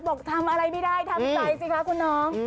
บอกทำอะไรไม่ได้ทำใจสิคะคุณน้อง